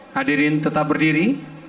hadirin tetap berdiri